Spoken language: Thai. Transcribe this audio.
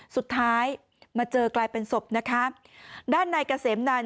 สุดท้ายมาเจอกลายเป็นศพนะคะด้านในเกษมนัน